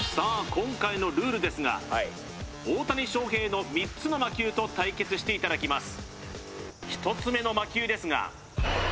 今回のルールですがはい大谷翔平の３つの魔球と対決していただきます